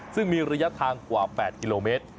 ซึ่งมีระยะทางกว่า๘กิโลเมตร